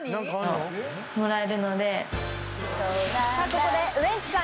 ここでウエンツさん